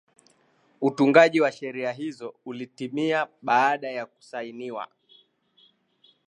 utungaji wa sheria hizo ulitimia baada ya kusainiwa